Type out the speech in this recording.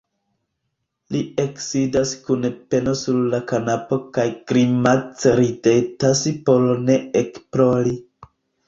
Li eksidas kun peno sur la kanapo kaj grimace ridetas por ne ekplori.